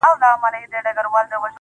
په دې وطن کي به نو څنگه زړه سوری نه کوي,